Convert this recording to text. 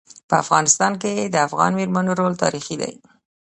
په افغانستان کي د افغان میرمنو رول تاریخي دی.